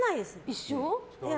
一生？